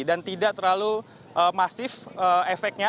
dan tidak terlalu masif efeknya